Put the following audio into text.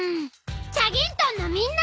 チャギントンのみんな！